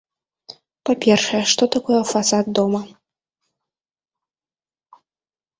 Па-першае, што такое фасад дома?